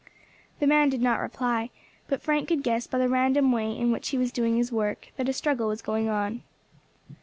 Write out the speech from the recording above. The man did not reply; but Frank could guess by the random way in which he was doing his work, that a struggle was going on.